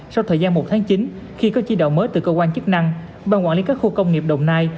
sau thời gian một tháng chín khi có chi đạo mới từ cơ quan chức năng ban quản lý các khu công nghiệp đồng nai